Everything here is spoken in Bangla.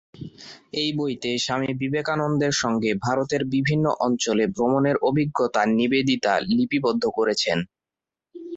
এই বইতে স্বামী বিবেকানন্দের সঙ্গে ভারতের বিভিন্ন অঞ্চলে ভ্রমণের অভিজ্ঞতা নিবেদিতা লিপিবদ্ধ করেছেন।